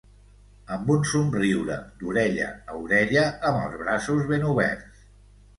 Amb un somriure d’orella a orella, amb els braços ben oberts.